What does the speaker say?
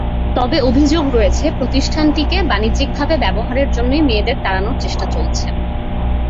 তবে অভিযোগ রয়েছে, প্রতিষ্ঠানটিকে বাণিজ্যিকভাবে ব্যবহারের জন্যই মেয়েদের তাড়ানোর চেষ্টা চলছে।